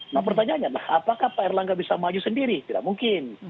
nah pertanyaannya apakah pak erlangga bisa maju sendiri tidak mungkin